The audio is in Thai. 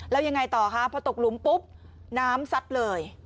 แล้วยังไงต่อคะพอตกหลุมปุ๊บน้ำซัดเลย